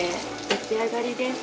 出来上がりです。